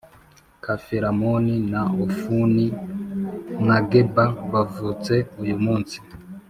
Kefaramoni na Ofuni na Geba bavutse uyumunsi